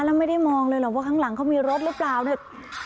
แล้วไม่ได้มองเลยหรอกว่าข้างหลังเขามีรถหรือเปล่าเนี่ย